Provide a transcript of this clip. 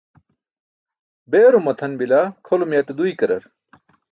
beerum matʰan bila kʰolum yaṭe duykarar?